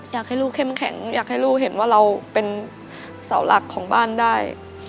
อยากให้ลูกเข้มแข็งอยากให้ลูกเห็นว่าเราเป็นเสาหลักของบ้านได้